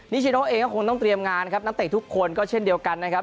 ชิโนเองก็คงต้องเตรียมงานครับนักเตะทุกคนก็เช่นเดียวกันนะครับ